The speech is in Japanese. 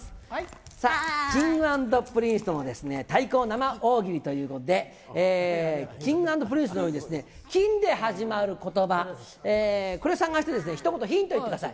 Ｋｉｎｇ＆Ｐｒｉｎｃｅとの対抗生大喜利ということで、Ｋｉｎｇ＆Ｐｒｉｎｃｅのようにキンで始まることば、これを探して、ひと言ヒント下さい。